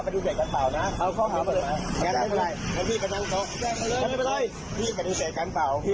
พี่กระดิษฐกรรมเปล่า